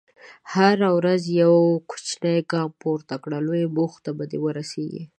هره ورځ یو کوچنی ګام پورته کړه، لویو موخو ته به ورسېږې.